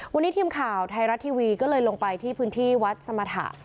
วันนี้ทีมข่าวไทยรัฐทีวีก็เลยลงไปที่พื้นที่วัดสมรรถะ